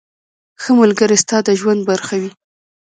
• ښه ملګری ستا د ژوند برخه وي.